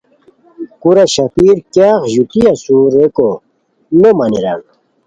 کورہ شاپیر کیاغ ژوتی اسور ریکو نو مانیران